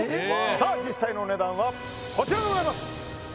さあ実際の値段はこちらでございます